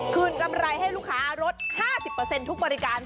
กำไรให้ลูกค้าลด๕๐ทุกบริการ